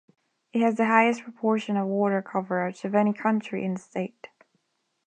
It has the highest proportion of water coverage of any county in the state.